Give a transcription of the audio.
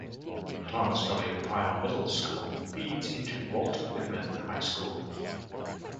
Thomas W. Pyle Middle School feeds into Walt Whitman High School.